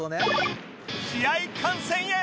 試合観戦へ！